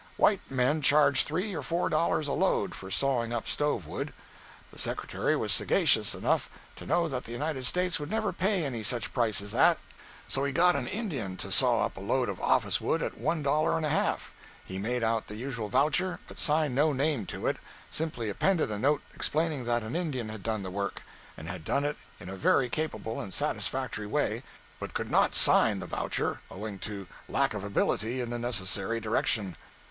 White men charged three or four dollars a "load" for sawing up stove wood. The Secretary was sagacious enough to know that the United States would never pay any such price as that; so he got an Indian to saw up a load of office wood at one dollar and a half. He made out the usual voucher, but signed no name to it—simply appended a note explaining that an Indian had done the work, and had done it in a very capable and satisfactory way, but could not sign the voucher owing to lack of ability in the necessary direction.